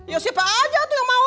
ya siapa aja tuh yang mau